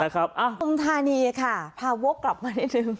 คุณทานีค่ะพาโว๊คกลับมานิดนึง